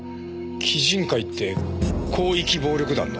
キジン会って広域暴力団の。